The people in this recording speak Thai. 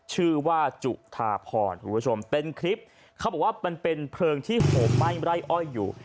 ชื่อว่าจุธาพรคุณผู้ชมเป็นคลิปเขาบอกว่ามันเป็นเพลิงที่โหมไหม้ไร่อ้อยอยู่